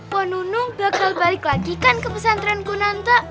poh nunung bakal balik lagi kan ke pesantren kunanta